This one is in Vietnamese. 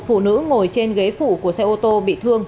một phụ nữ ngồi trên ghế phủ của xe ô tô bị thương